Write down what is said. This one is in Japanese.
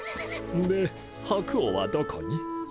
で白王はどこに？